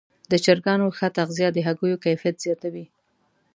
د چرګانو ښه تغذیه د هګیو کیفیت زیاتوي.